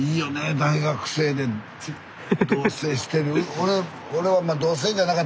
大学生で同せいしてる。